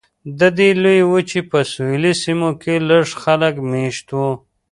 د دې لویې وچې په سویلي سیمو کې لږ خلک مېشت وو.